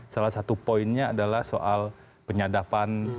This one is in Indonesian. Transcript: salah satu poinnya adalah soal penyadapan